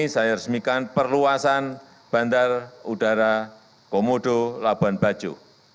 saya resmikan perluasan bandar udara komodo labuan bajo